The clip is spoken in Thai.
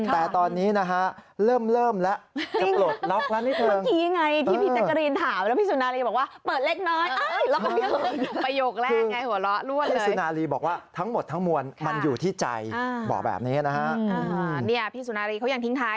แต่ตอนนี้นะฮะเริ่มแล้วจะปลดล็อกแล้วนิดนึง